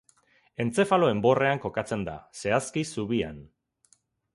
Entzefalo enborrean kokatzen da, zehazki zubian.